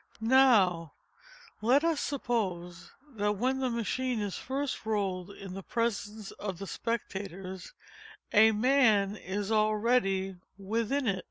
Now, let us suppose that when the machine is first rolled into the presence of the spectators, a man is already within it.